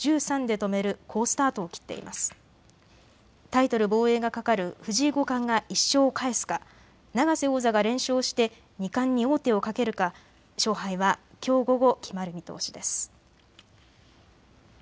防衛がかかる藤井五冠が１勝を返すか永瀬王座が連勝して二冠に王手をかけるか勝敗はきょう午後、決まる見通しです。